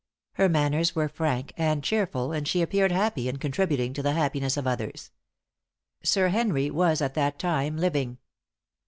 Her manners were frank and cheerful, and she appeared happy in contributing to the happiness of others. Sir Henry was at that time living.